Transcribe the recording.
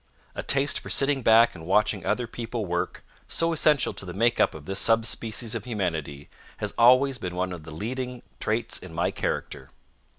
A taste for sitting back and watching other people work, so essential to the make up of this sub species of humanity, has always been one of the leading traits in my character.